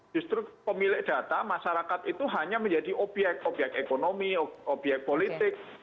justru pemilik data masyarakat itu hanya menjadi obyek obyek ekonomi obyek politik